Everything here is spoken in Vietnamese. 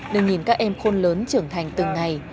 nơi nhìn các em khôn lớn trưởng thành từng ngày